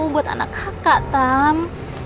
buat anak kakak tam